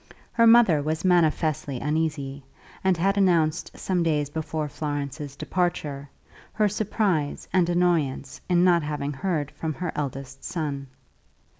Her mother was manifestly uneasy, and had announced some days before Florence's departure, her surprise and annoyance in not having heard from her eldest son.